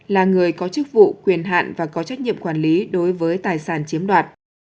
là người có chức vụ quyền hạn và có trách nhiệm quản lý đối với tài sản chiếm đoạt